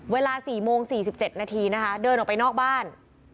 เวลา๔โมง๔๗นาทีนะคะเดินออกไปนอกบ้าน